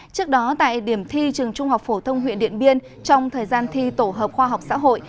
trước đó tại điểm thi trường trung học phổ thông huyện điện biên trong thời gian thi tổ hợp khoa học xã hội